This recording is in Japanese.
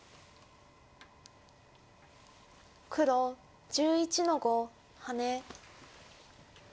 黒１１の五ハネ。